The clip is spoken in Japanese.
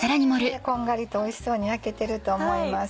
こんがりとおいしそうに焼けてると思います。